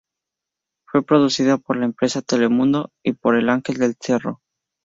Fue producida por la empresa Telemundo y por Ángel del Cerro.